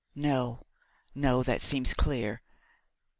"No! no! that seems clear.